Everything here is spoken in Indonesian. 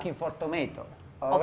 kamu mencari tomatku